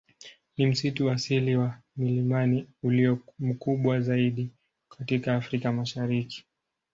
Ni msitu asili wa milimani ulio mkubwa zaidi katika Afrika Mashariki.